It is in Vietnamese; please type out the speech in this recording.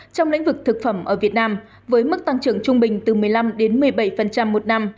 trong lĩnh vực thực phẩm ở việt nam với mức tăng trưởng trung bình từ một mươi năm một mươi bảy một năm